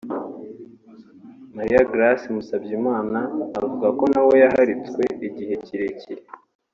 Marie Grace Musabyimana avuga ko nawe yaharitswe igihe kirekire